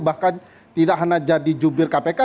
bahkan tidak hanya jadi jubir kpk